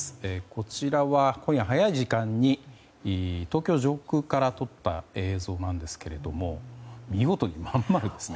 こちらは今夜早い時間に東京上空から撮った映像なんですけれども見事に真ん丸ですね。